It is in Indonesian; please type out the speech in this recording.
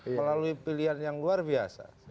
melalui pilihan yang luar biasa